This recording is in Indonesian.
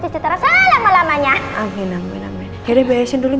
cacatara selama lamanya akhir akhir namanya jadi bebasin dulu ya